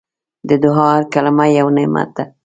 د دعا هره کلمه یو نعمت ده.